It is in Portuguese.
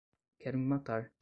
Quero me matar!